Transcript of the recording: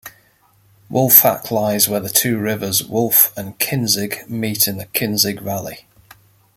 Wolfach lies where the two rivers Wolf and Kinzig meet in the Kinzig valley.